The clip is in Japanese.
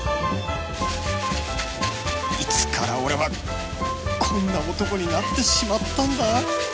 いつから俺はこんな男になってしまったんだ？